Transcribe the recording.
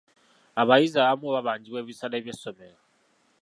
Abayizi abamu babanjibwa ebisale by'essomero.